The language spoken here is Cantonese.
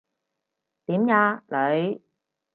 點呀，女？